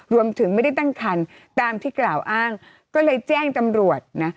รวมถึงไม่ได้ตั้งคันตามที่กล่าวอ้างก็เลยแจ้งตำรวจนะ